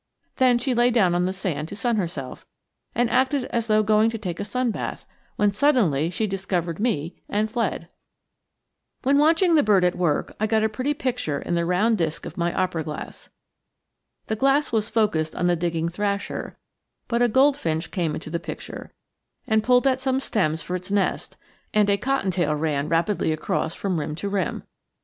Then she lay down on the sand to sun herself and acted as though going to take a sun bath, when suddenly she discovered me and fled. When watching the bird at work I got a pretty picture in the round disk of my opera glass. The glass was focused on the digging thrasher, but a goldfinch came into the picture and pulled at some stems for its nest and a cottontail ran rapidly across from rim to rim.